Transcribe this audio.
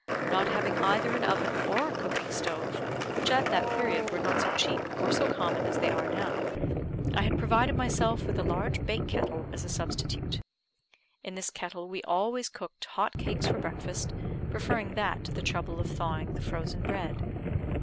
Not having either an oven or a cooking stove, which at that period were not so cheap or so common as they are now, I had provided myself with a large bake kettle as a substitute. In this kettle we always cooked hot cakes for breakfast, preferring that to the trouble of thawing the frozen bread.